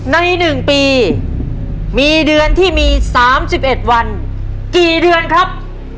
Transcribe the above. ใน๑ปีมีเดือนที่มี๓๑วันกี่เดือนครับ